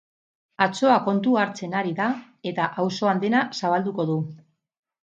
Atsoa kontu hartzen ari da eta auzoan dena zabalduko du.